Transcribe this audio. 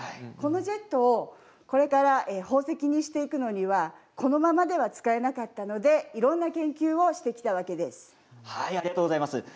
このジェットをこれから宝石にしていくのにはこのままでは使えなかったのでいろんな研究をしてきたわけです。